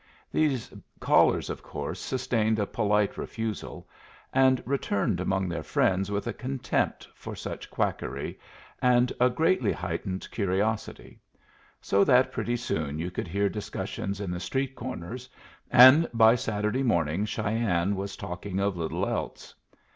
These callers, of course, sustained a polite refusal, and returned among their friends with a contempt for such quackery, and a greatly heightened curiosity; so that pretty soon you could hear discussions at the street corners, and by Saturday morning Cheyenne was talking of little else.